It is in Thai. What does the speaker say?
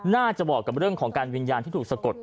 เหมาะกับเรื่องของการวิญญาณที่ถูกสะกด